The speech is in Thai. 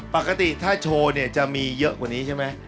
ปกติถ้าโชว์เนี่ยจะมีเยอะกว่านี้ใช่ไหม